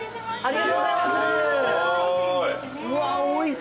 ありがとうございます。